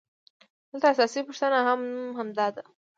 دلته اساسي پوښتنه هم همدا ده